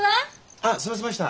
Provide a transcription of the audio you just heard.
あっ済ませました。